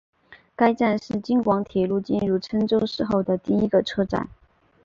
该站是京广铁路进入郴州市后的第一个车站。